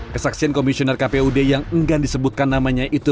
kesaksian komisioner kpud yang enggan disebutkan namanya itu